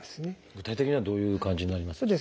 具体的にはどういう感じになりますか？